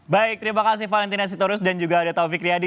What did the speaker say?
baik terima kasih valentina sitorus dan juga adha taufikriyadi